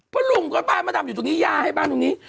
เพราะลุงก็บ้านมะดำอยู่ตรงนี้ย่าให้บ้านตรงนี้